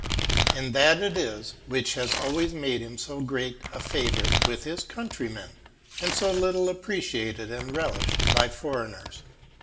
And this it is which has always made him so great a favourite with his countrymen, and so little appreciated and relished by foreigners.